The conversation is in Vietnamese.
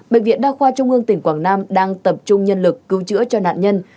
bệnh viện đa khoa trung ương tỉnh quảng nam đang tập trung nhân lực cứu chữa cho nạn nhân